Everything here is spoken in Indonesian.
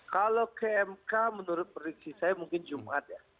kalau ke mk menurut prediksi saya mungkin jumat ya